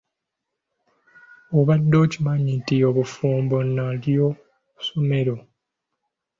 Obadde okimanyi nti obufumbo nalyo ssomero?